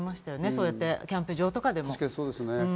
そういったキャンプ場とかでも。